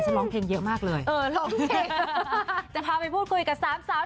ร้องเพลงเยอะมากเลยเออร้องเพลงเออจะพาไปพูดคุยกับสามสาว